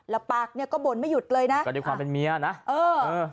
แล้วปากเนี้ยก็บ่นไม่หยุดเลยนะก็ด้วยความเป็นเมียนะเออเออ